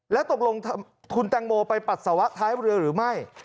แล้วตกลงคุณแตงโมไปปัสสาวะท้ายเรือหรือไม่